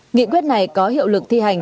nghị quyết này có hiệu lực thi hành